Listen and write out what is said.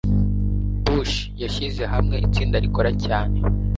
Bush yashyize hamwe itsinda rikora cyane.